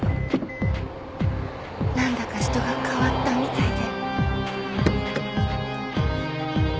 何だか人が変わったみたいで。